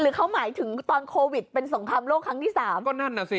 หรือเขาหมายถึงตอนโควิดเป็นสมครามโลกครั้งที่๓